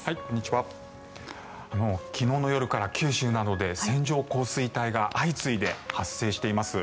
昨日の夜から九州などで線状降水帯が相次いで発生しています。